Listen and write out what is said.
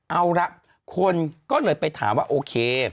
เอาละคนก็เลยไปถามว่าโอเค